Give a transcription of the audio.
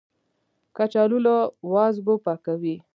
کچالو له وازګو پاکوي